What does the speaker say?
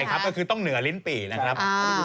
ใช่ครับก็คือต้องเหนือลิ้นปี่นะครับ